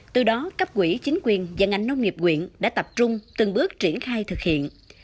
từ đó cấp quỹ chính quyền và ngành nông nghiệp quyện đã tập trung từng bước triển khai thực hiện